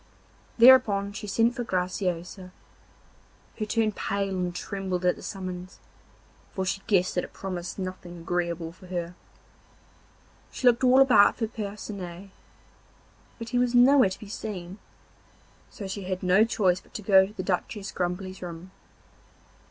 Thereupon she sent for Graciosa, who turned pale and trembled at the summons, for she guessed that it promised nothing agreeable for her. She looked all about for Percinet, but he was nowhere to be seen; so she had no choice but to go to the Duchess Grumbly's room.